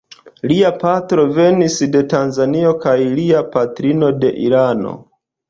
Lia patro venis de Tunizio kaj lia patrino de Irano.